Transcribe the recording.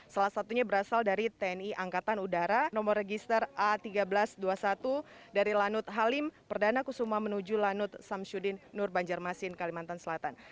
salah satunya berasal dari tni angkatan udara nomor register a seribu tiga ratus dua puluh satu dari lanut halim perdana kusuma menuju lanut samsudin nur banjarmasin kalimantan selatan